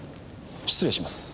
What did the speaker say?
失礼します。